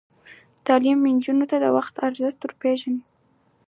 تعلیم نجونو ته د وخت ارزښت ور پېژني.